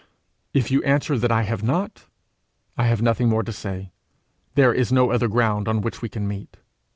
If you answer that I have not, I have nothing more to say; there is no other ground on which we can meet.